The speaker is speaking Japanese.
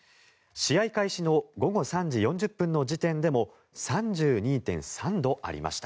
試合開始の午後３時４０分の時点でも３２．３度ありました。